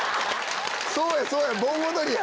そうやそうや盆踊りや。